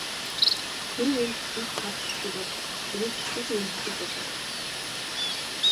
Хэрэв энэ хатанд таалагдахгүй бол таныг хэцүүхэн юм хүлээх болно.